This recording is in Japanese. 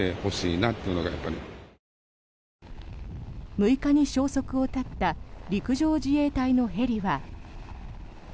６日に消息を絶った陸上自衛隊のヘリは。